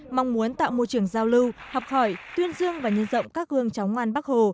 mong muốn tạo môi trường giao lưu học hỏi tuyên dương và nhân rộng các gương chóng ngoan bắc hồ